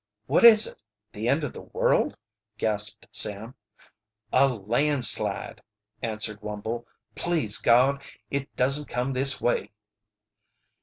"What is it? The end of the world?" gasped Sam. "A landslide," answered Wumble. "Please God, it doesn't come this way!"